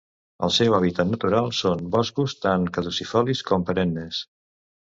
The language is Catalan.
El seu hàbitat natural són boscos, tant caducifolis com perennes.